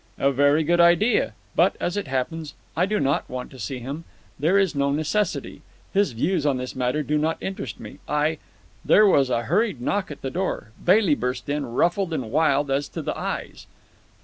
"A very good idea. But, as it happens, I do not want to see him. There is no necessity. His views on this matter do not interest me. I——" There was a hurried knock at the door. Bailey burst in, ruffled and wild as to the eyes.